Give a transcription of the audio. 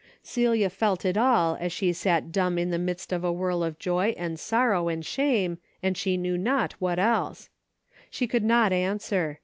Celia felt it all as she sat dumb in the midst of a whirl of joy and sorrow and shame, and she knew not what else. She could not an swer.